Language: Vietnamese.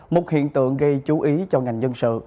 một hiện tượng gây chú ý cho ngành dân sự